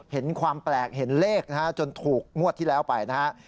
เห็นความแปลกเห็นเลขนะฮะจนถูกงวดที่แล้วไปนะฮะ